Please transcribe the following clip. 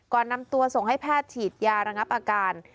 ก่อนนำตัวส่งให้แพทย์ฉีดยาระงับอาการ